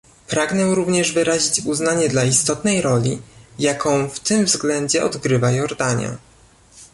Pragnę również wyrazić uznanie dla istotnej roli, jaką w tym względzie odgrywa Jordania